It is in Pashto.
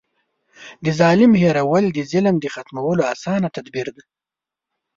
د ظالم هېرول د ظلم د ختمولو اسانه تدبير دی.